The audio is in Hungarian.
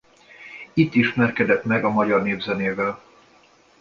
Itt ismerkedett meg a magyar népzenével.